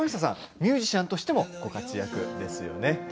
ミュージシャンとしてもご活躍ですよね。